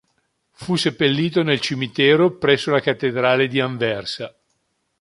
Fu seppellito nel cimitero presso la cattedrale di Anversa.